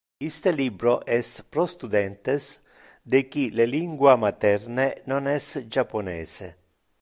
Iste libro es pro studentes de qui le lingua materne non es japonese.